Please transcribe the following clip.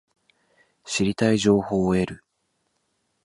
知りたい情報を得る